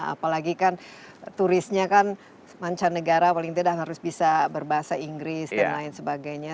apalagi kan turisnya kan mancanegara paling tidak harus bisa berbahasa inggris dan lain sebagainya